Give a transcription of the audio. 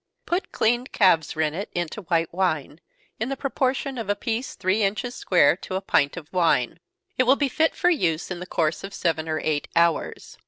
_ Put cleaned calf's rennet into white wine, in the proportion of a piece three inches square to a pint of wine. It will be fit for use in the course of seven or eight hours.